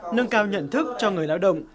nâng cao nhận thức cho người lao động